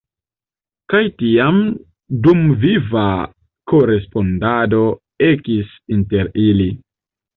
Kaj tiam dumviva korespondado ekis inter ili.